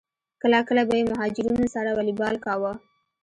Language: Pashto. کله کله به یې مهاجرینو سره والیبال کاوه.